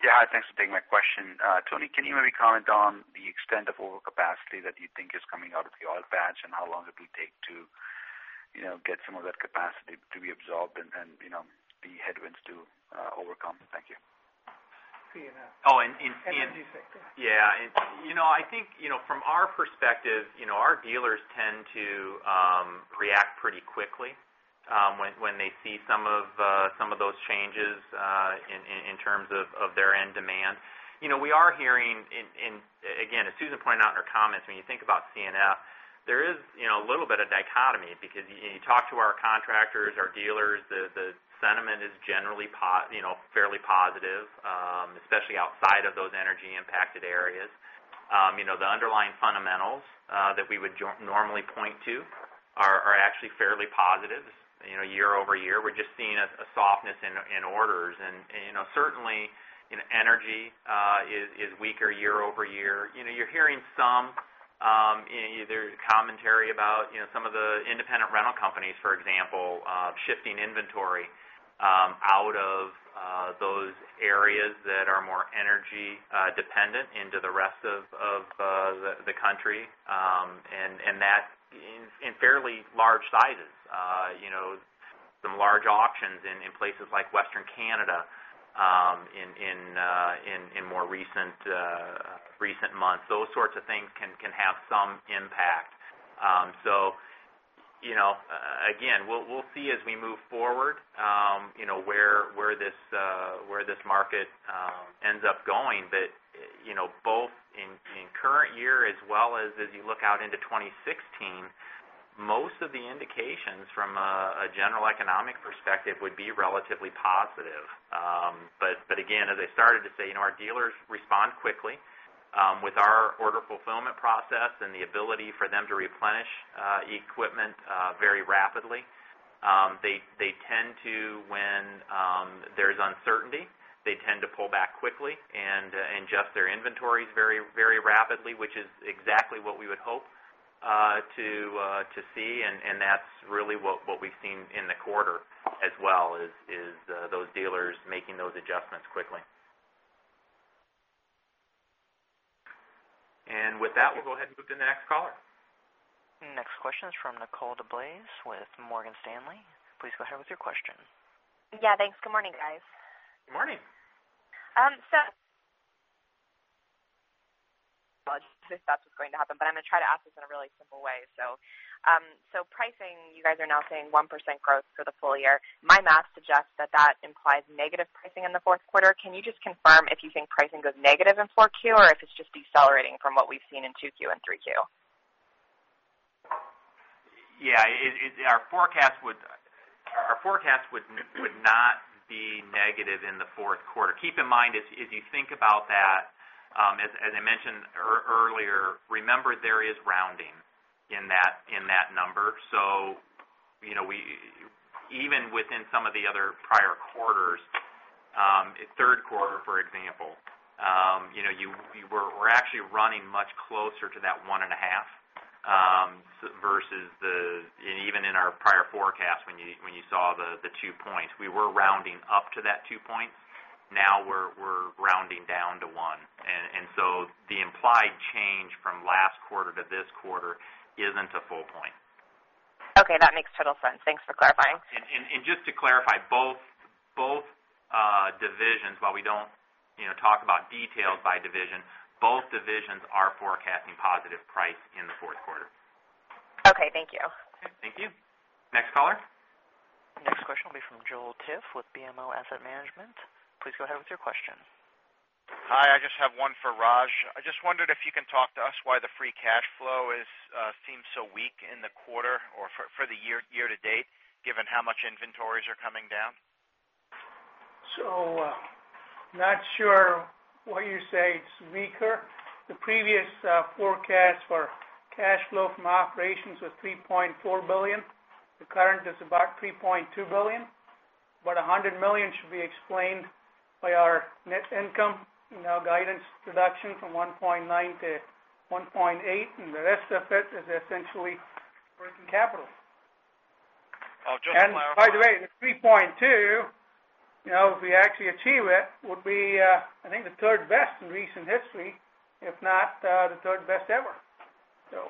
Yeah. Thanks for taking my question. Tony, can you maybe comment on the extent of overcapacity that you think is coming out of the oil patch, and how long it will take to get some of that capacity to be absorbed and the headwinds to overcome? Thank you. C&F. Oh, and- Energy sector. Yeah. I think, from our perspective, our dealers tend to react pretty quickly when they see some of those changes in terms of their end demand. We are hearing, again, as Susan pointed out in her comments, when you think about C&F, there is a little bit of dichotomy because you talk to our contractors, our dealers, the sentiment is generally fairly positive, especially outside of those energy impacted areas. The underlying fundamentals that we would normally point to are actually fairly positive year-over-year. We're just seeing a softness in orders. Certainly, energy is weaker year-over-year. You're hearing some commentary about some of the independent rental companies, for example, shifting inventory out of those areas that are more energy dependent into the rest of the country. That in fairly large sizes. Some large auctions in places like Western Canada in more recent months. Those sorts of things can have some impact. Again, we'll see as we move forward where this market ends up going. Both in current year as well as you look out into 2016, most of the indications from a general economic perspective would be relatively positive. Again, as I started to say, our dealers respond quickly with our order fulfillment process and the ability for them to replenish equipment very rapidly. When there's uncertainty, they tend to pull back quickly and adjust their inventories very rapidly, which is exactly what we would hope to see, and that's really what we've seen in the quarter as well, is those dealers making those adjustments quickly. With that, we'll go ahead and move to the next caller. Next question is from Nicole DeBlase with Morgan Stanley. Please go ahead with your question. Yeah, thanks. Good morning, guys. Good morning. I was pretty sure that's what's going to happen, but I'm going to try to ask this in a really simple way. Pricing, you guys are now saying 1% growth for the full year. My math suggests that that implies negative pricing in the fourth quarter. Can you just confirm if you think pricing goes negative in 4Q or if it's just decelerating from what we've seen in 2Q and 3Q? Yeah. Our forecast would not be negative in the fourth quarter. Keep in mind, as you think about that, as I mentioned earlier, remember there is rounding in that number. Even within some of the other prior quarters, third quarter, for example we're actually running much closer to that one and a half, versus even in our prior forecast, when you saw the two points. We were rounding up to that two points. Now we're rounding down to one. The implied change from last quarter to this quarter isn't a full point. Okay, that makes total sense. Thanks for clarifying. Just to clarify, both divisions, while we don't talk about details by division, both divisions are forecasting positive price in the fourth quarter. Okay, thank you. Thank you. Next caller. Next question will be from Joel Tiss with BMO Capital Markets. Please go ahead with your question. Hi, I just have one for Raj. I just wondered if you can talk to us why the free cash flow seems so weak in the quarter or for the year to date, given how much inventories are coming down. Not sure why you say it's weaker. The previous forecast for cash flow from operations was $3.4 billion. The current is about $3.2 billion, but $100 million should be explained by our net income. Guidance reduction from $1.9-$1.8, and the rest of it is essentially working capital. Just to clarify. By the way, the 3.2, if we actually achieve it, would be, I think, the third best in recent history, if not the third best ever.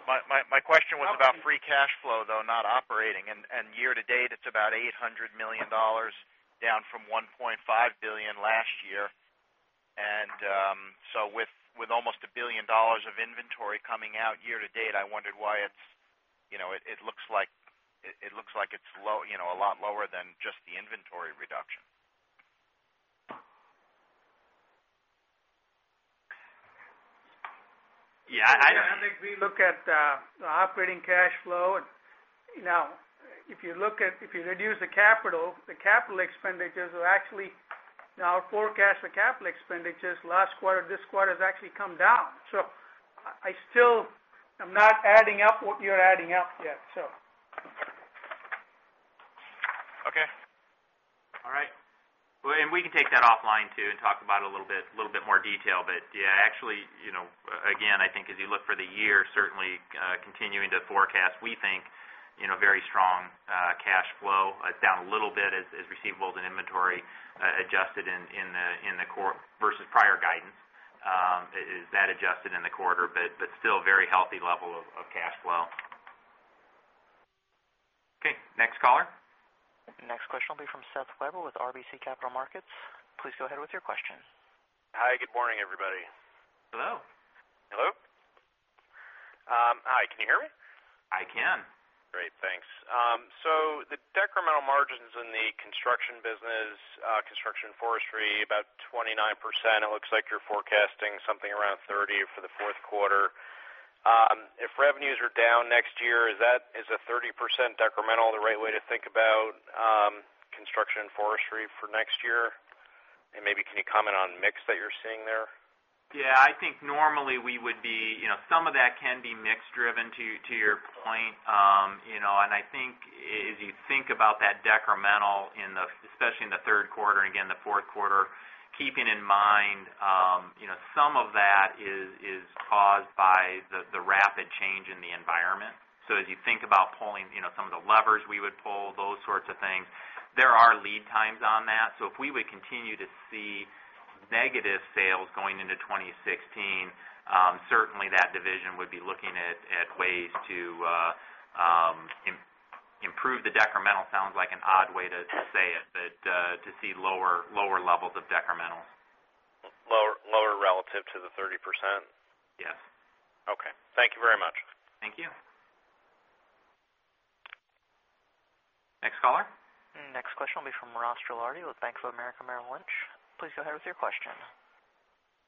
My question was about free cash flow, though not operating. Year to date, it's about $800 million, down from $1.5 billion last year. With almost $1 billion of inventory coming out year to date, I wondered why it looks like it's a lot lower than just the inventory reduction. Yeah. I think we look at the operating cash flow. If you reduce the capital, the capital expenditures will actually. Our forecast for capital expenditures last quarter to this quarter has actually come down. I still am not adding up what you're adding up yet. Okay. All right. Well, we can take that offline, too, and talk about it in a little bit more detail. Yeah, actually, again, I think as you look for the year, certainly continuing to forecast, we think very strong cash flow. It's down a little bit as receivables and inventory adjusted versus prior guidance, is that adjusted in the quarter, but still very healthy level of cash flow. Okay, next caller. Next question will be from Seth Weber with RBC Capital Markets. Please go ahead with your question. Hi, good morning, everybody. Hello. Hello? Hi, can you hear me? I can. Great. Thanks. The decremental margins in the Construction & Forestry business, Construction & Forestry, about 29%. It looks like you're forecasting something around 30% for the fourth quarter. If revenues are down next year, is a 30% decremental the right way to think about Construction & Forestry for next year? And maybe can you comment on mix that you're seeing there? Yeah, I think normally some of that can be mix driven, to your point. I think as you think about that decremental, especially in the third quarter and again the fourth quarter, keeping in mind some of that is caused by the rapid change in the environment. As you think about some of the levers we would pull, those sorts of things, there are lead times on that. If we would continue to see negative sales going into 2016, certainly that division would be looking at ways to improve the decremental, sounds like an odd way to say it, but to see lower levels of decremental. Lower relative to the 30%? Yes. Okay. Thank you very much. Thank you. Next caller. Next question will be from Ross Gilardi with Bank of America Merrill Lynch. Please go ahead with your question.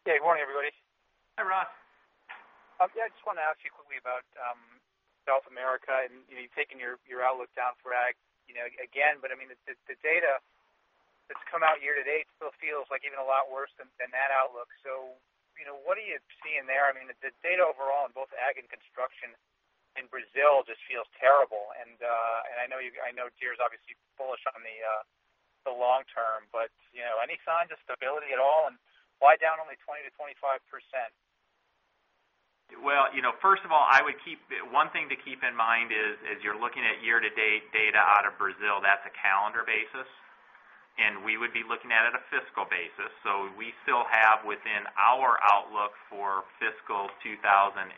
Yeah, good morning, everybody. Hi, Ross. Yeah, I just want to ask you quickly about South America, you've taken your outlook down for ag again, but I mean, the data that's come out year to date still feels even a lot worse than that outlook. What are you seeing there? I mean, the data overall in both ag and construction in Brazil just feels terrible, I know Deere's obviously bullish on the long term, but any signs of stability at all, and why down only 20%-25%? Well, first of all, one thing to keep in mind is as you're looking at year to date data out of Brazil, that's a calendar basis, we would be looking at it a fiscal basis. We still have within our outlook for fiscal 2015,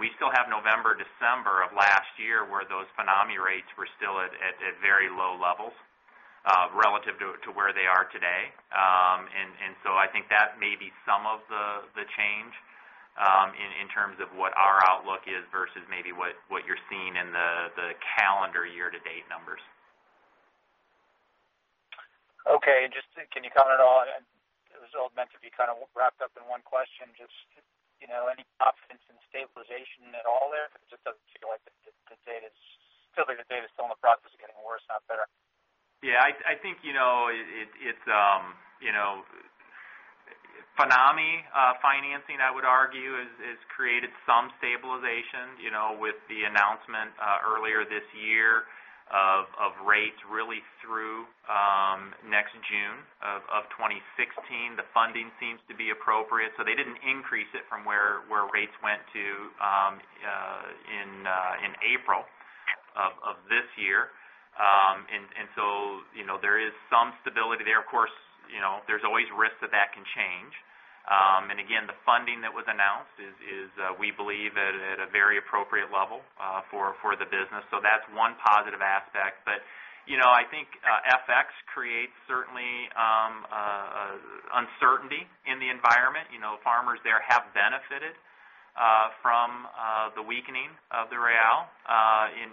we still have November, December of last year, where those FINAME rates were still at very low levels relative to where they are today. I think that may be some of the change in terms of what our outlook is versus maybe what you're seeing in the calendar year to date numbers. Okay. Just can you comment at all, it was all meant to be kind of wrapped up in one question, just any confidence in stabilization at all there? Because it just doesn't seem like the data is still in the process of getting worse, not better. I think FINAME financing, I would argue, has created some stabilization, with the announcement earlier this year of rates really through next June of 2016. The funding seems to be appropriate. They didn't increase it from where rates went to in April of this year. There is some stability there. Of course, there's always risk that that can change. Again, the funding that was announced is, we believe, at a very appropriate level for the business. That's one positive aspect. I think FX creates certainly uncertainty in the environment. Farmers there have benefited from the weakening of the real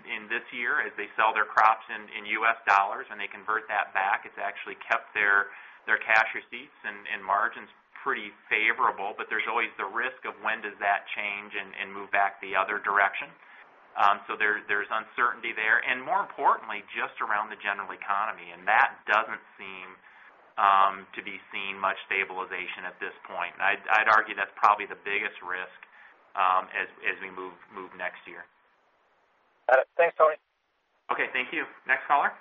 in this year as they sell their crops in US dollars and they convert that back. It's actually kept their cash receipts and margins pretty favorable. There's always the risk of when does that change and move back the other direction? There's uncertainty there. More importantly, just around the general economy, that doesn't seem to be seeing much stabilization at this point. I'd argue that's probably the biggest risk as we move next year. Got it. Thanks, Tony. Okay, thank you. Next caller.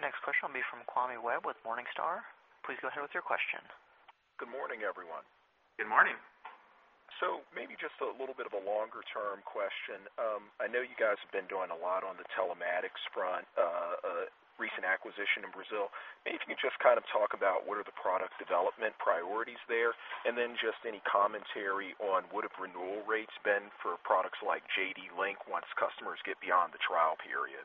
Next question will be from Kwame Webb with Morningstar. Please go ahead with your question. Good morning, everyone. Good morning. Maybe just a little bit of a longer-term question. I know you guys have been doing a lot on the telematics front, recent acquisition in Brazil. Maybe if you could just kind of talk about what are the product development priorities there, and then just any commentary on what have renewal rates been for products like JDLink once customers get beyond the trial period?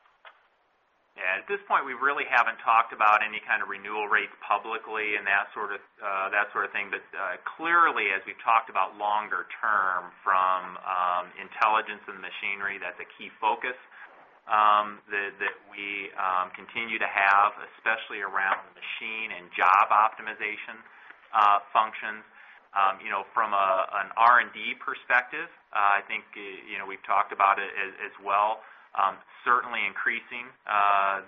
Yeah. At this point, we really haven't talked about any kind of renewal rates publicly and that sort of thing. Clearly, as we've talked about longer term from intelligence and machinery, that's a key focus that we continue to have, especially around machine and job optimization functions. From an R&D perspective, I think we've talked about it as well, certainly increasing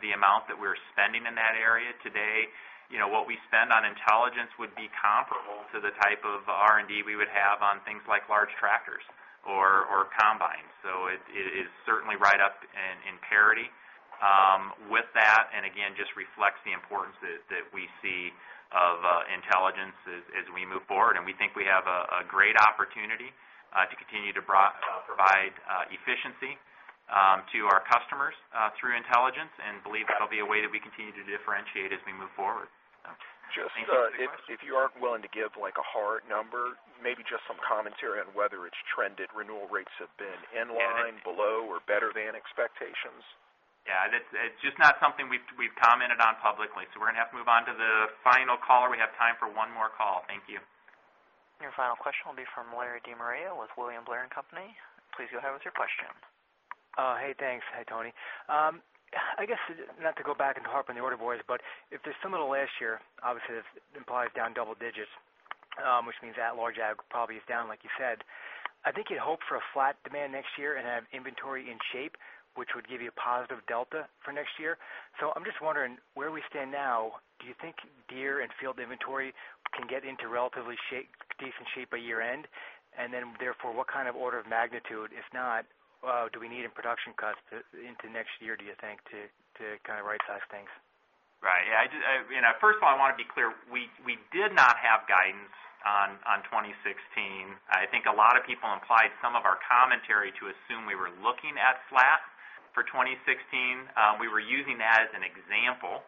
the amount that we're spending in that area today. What we spend on intelligence would be comparable to the type of R&D we would have on things like large tractors or combines. It is certainly right up in parity with that, and again, just reflects the importance that we see of intelligence as we move forward. We think we have a great opportunity to continue to provide efficiency to our customers through intelligence, and believe that'll be a way that we continue to differentiate as we move forward. Just- Thanks for the question If you aren't willing to give a hard number, maybe just some commentary on whether it's trended, renewal rates have been in line, below, or better than expectations? Yeah. It's just not something we've commented on publicly. We're going to have to move on to the final caller. We have time for one more call. Thank you. Your final question will be from Larry DeMaria with William Blair & Company. Please go ahead with your question. Hey, thanks. Hey, Tony. I guess, not to go back and harp on the order boys, if they're similar to last year, obviously this implies down double digits, which means at large, ag probably is down like you said. I think you'd hope for a flat demand next year and have inventory in shape, which would give you a positive delta for next year. I'm just wondering, where we stand now, do you think Deere and field inventory can get into relatively decent shape by year-end? Therefore, what kind of order of magnitude, if not, do we need in production cuts into next year, do you think, to right-size things? Right. First of all, I want to be clear, we did not have guidance on 2016. I think a lot of people implied some of our commentary to assume we were looking at flat for 2016. We were using that as an example.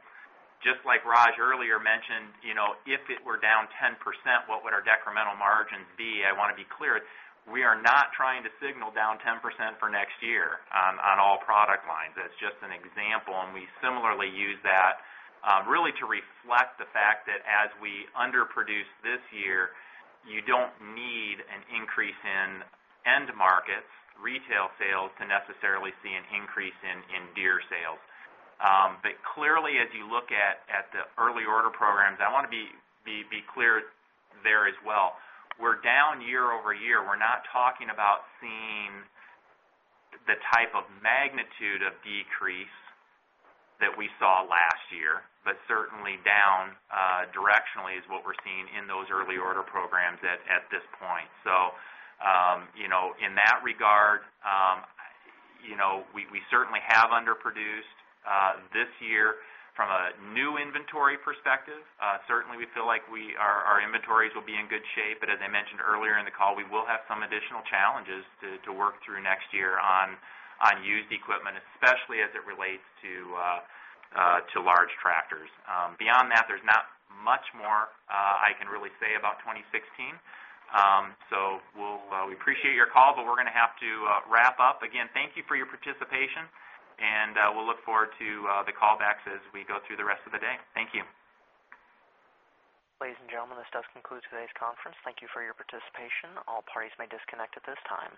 Just like Raj earlier mentioned, if it were down 10%, what would our decremental margins be? I want to be clear. We are not trying to signal down 10% for next year on all product lines. That's just an example, and we similarly use that really to reflect the fact that as we underproduce this year, you don't need an increase in end markets, retail sales, to necessarily see an increase in Deere sales. Clearly, as you look at the early order programs, I want to be clear there as well. We're down year-over-year. We're not talking about seeing the type of magnitude of decrease that we saw last year, but certainly down directionally is what we're seeing in those early order programs at this point. In that regard, we certainly have underproduced this year from a new inventory perspective. Certainly, we feel like our inventories will be in good shape, but as I mentioned earlier in the call, we will have some additional challenges to work through next year on used equipment, especially as it relates to large tractors. Beyond that, there's not much more I can really say about 2016. We appreciate your call, but we're going to have to wrap up. Again, thank you for your participation, and we'll look forward to the call backs as we go through the rest of the day. Thank you. Ladies and gentlemen, this does conclude today's conference. Thank you for your participation. All parties may disconnect at this time.